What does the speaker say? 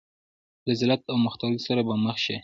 له ذلت او مختورۍ سره به مخ کېږي.